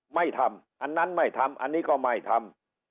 ไม่ทำอันนั้นไม่ทำอันนี้ก็ไม่ทำ